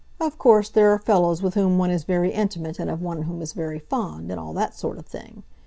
Of course there are fellows with whom one is very intimate and of whom one is very fond, and all that sort of thing.